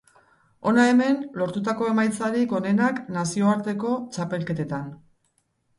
Hona hemen lortutako emaitzarik onenak nazioarteko txapelketetan.